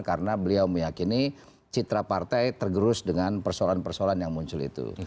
karena beliau meyakini citra partai tergerus dengan persoalan persoalan yang muncul itu